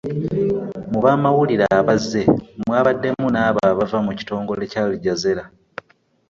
Mu bamawulire abazze mw'abaddemu n'abo abava mu kitongole ekya Aljazeera.